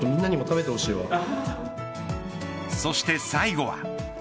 そして最後は。